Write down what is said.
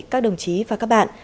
các đồng chí và các bạn